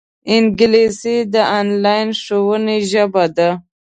انګلیسي د انلاین ښوونې ژبه ده